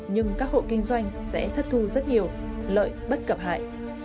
nhưng các hộ kinh doanh sẽ thất thu rất nhiều lợi bất cập hại